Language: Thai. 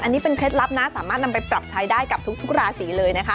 อันนี้เป็นเคล็ดลับนะสามารถนำไปปรับใช้ได้กับทุกราศีเลยนะคะ